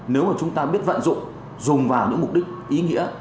nếu mà chúng ta biết vận dụng dùng vào những mục đích ý nghĩa